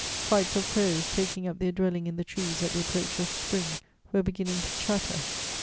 Flights of crows, taking up their dwelling in the trees at the approach of spring, were beginning to chatter.